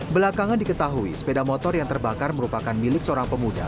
belakangan diketahui sepeda motor yang terbakar merupakan milik seorang pemuda